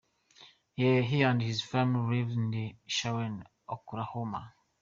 He and his family live in Shawnee, Oklahoma.